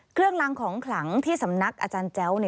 กลางของขลังที่สำนักอาจารย์แจ้ว